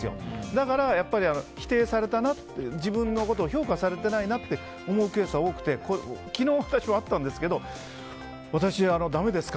だから、否定されたな自分のことを評価されてないなと思うケースは多くて昨日、私もあったんですけど私、ダメですか？